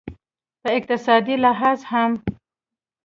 په اقتصادي لحاظ هم